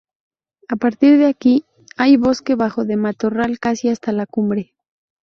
A partir de aquí hay bosque bajo de matorral casi hasta la cumbre.